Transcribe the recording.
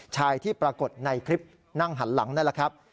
ชายที่ปรากฏในคลิปนั่งหันหลังนั่นแหละครับ